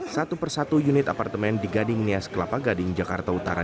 satu persatu unit apartemen di gading nias kelapa gading jakarta utara